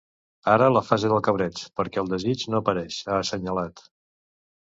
Ara la fase del cabreig, perquè el desig no apareix, ha assenyalat.